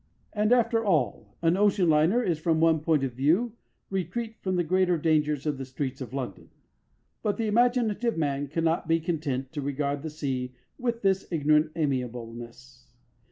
And, after all, an ocean liner is from one point of view a retreat from the greater dangers of the streets of London. But the imaginative man cannot be content to regard the sea with this ignorant amiableness.